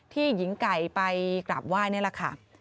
หญิงไก่ไปกราบไหว้นี่แหละค่ะ